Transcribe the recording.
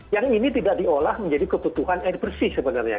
yang ini tidak diolah menjadi kebutuhan air bersih sebenarnya